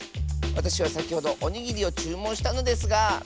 わたしはさきほどおにぎりをちゅうもんしたのですが。